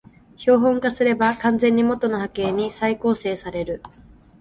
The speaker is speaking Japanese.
標本化すれば完全に元の波形に再構成される